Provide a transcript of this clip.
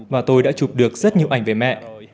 và tôi đã chụp được rất nhiều ảnh về mẹ